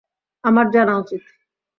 আমার জানা উচিত।